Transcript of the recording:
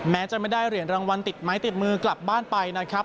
แม้จะไม่ได้เหรียญรางวัลติดไม้ติดมือกลับบ้านไปนะครับ